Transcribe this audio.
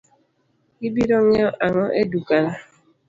Ibiro ngiew ang'o e dukana?